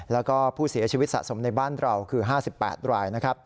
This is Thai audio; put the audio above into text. และผู้เสียชีวิตสะสมในบ้านเราคือ๕๘ราย